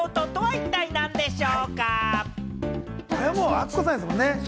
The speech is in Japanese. アッコさんですもんね。